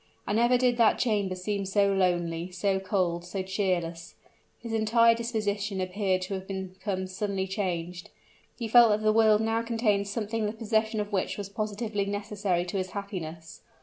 And never did that chamber seem so lonely, so cold, so cheerless. His entire disposition appeared to have become suddenly changed; he felt that the world now contained something the possession of which was positively necessary to his happiness.